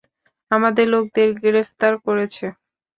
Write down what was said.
আমাদের লোকদের গ্রেফতার করেছে।